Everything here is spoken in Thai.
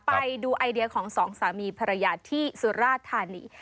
ไปดูไอเดียของสองสามีภรรยาที่สุราธานี